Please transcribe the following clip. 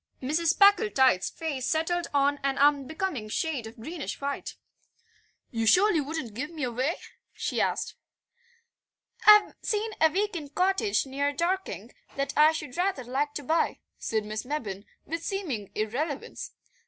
Mrs. Packletide's face settled on an unbecoming shade of greenish white. "You surely wouldn't give me away?" she asked. "I've seen a week end cottage near Dorking that I should rather like to buy," said Miss Mebbin with seeming irrelevance.